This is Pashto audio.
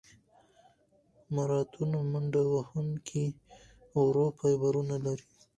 د ماراتون منډهوهونکي ورو فایبرونه لري.